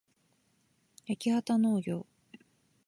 やきはたのうぎょう